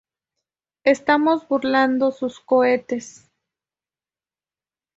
Estamos burlando sus cohetes.